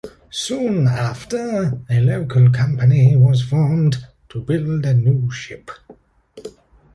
Soon after, a local company was formed to build a new ship.